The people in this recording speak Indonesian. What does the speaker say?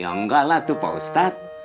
ya enggak lah tuh paustat